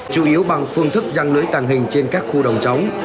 chủ yếu bằng phương thức răng lưới tàng hình trên các khu đồng trống